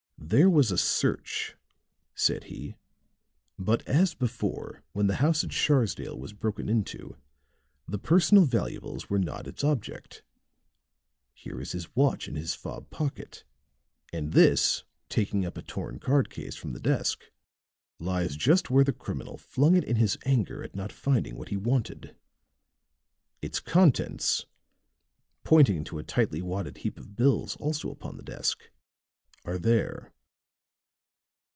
"There was a search," said he. "But, as before, when the house at Sharsdale was broken into, the personal valuables were not its object. Here is his watch in his fob pocket, and this," taking up a torn card case from the desk, "lies just where the criminal flung it in his anger at not finding what he wanted. Its contents," pointing to a tightly wadded heap of bills also upon the desk, "are there."